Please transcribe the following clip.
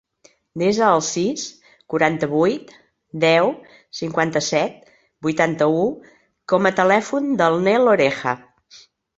Desa el sis, quaranta-vuit, deu, cinquanta-set, vuitanta-u com a telèfon del Nel Oreja.